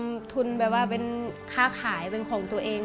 เป็นทุนแบบว่าเป็นค่าขายเป็นของตัวเอง